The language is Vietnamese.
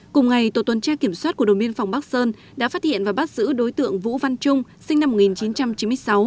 cùng ngày tổ tuần tra kiểm soát của đồn biên phòng bắc sơn đã phát hiện và bắt giữ đối tượng vũ văn trung sinh năm một nghìn chín trăm chín mươi sáu